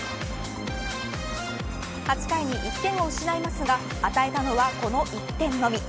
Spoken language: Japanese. ８回に１点を失いますが与えたのはこの１点のみ。